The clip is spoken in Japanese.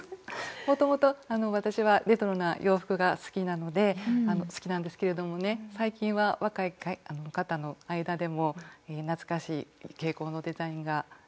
もともと私はレトロな洋服が好きなので好きなんですけれどもね最近は若い方の間でも懐かしい傾向のデザインが人気ですよね。